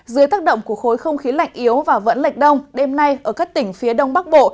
dưới tác động của khối không khí lạnh yếu và vẫn lệch đông đêm nay ở các tỉnh phía đông bắc bộ